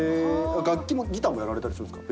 楽器もギターもやられたりするんですか？